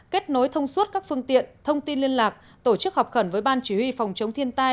kết nối thông suốt các phương tiện thông tin liên lạc tổ chức họp khẩn với ban chỉ huy phòng chống thiên tai